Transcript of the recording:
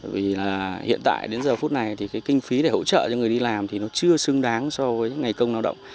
vì là hiện tại đến giờ phút này thì cái kinh phí để hỗ trợ cho người đi làm thì nó chưa xứng đáng so với ngày công lao động